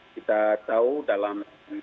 kita tahu dalam